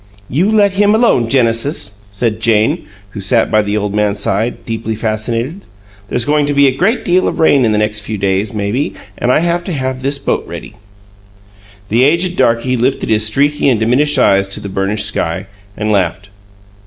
"You let him alone, Genesis," said Jane, who sat by the old man's side, deeply fascinated. "There's goin' to be a great deal of rain in the next few days maybe, an' I haf to have this boat ready." The aged darky lifted his streaky and diminished eyes to the burnished sky, and laughed.